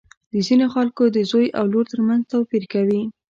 د ځینو خلکو د زوی او لور تر منځ توپیر کوي.